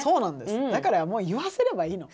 だからもう言わせればいいの。